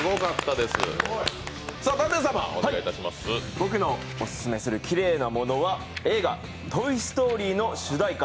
僕のオススメするきれいなものは映画「トイ・ストーリー」の主題歌